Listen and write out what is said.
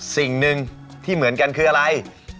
สิ่งหนึ่งที่เหมือนกันคืออะไร